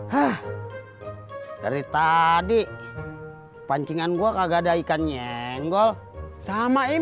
hah dari tadi pancingan gua kagak ada ikan nyenggol sama ibu